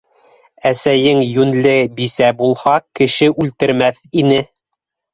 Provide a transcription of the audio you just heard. Әсәйең йүнле бисә булһа, кеше үлтермәҫ ине.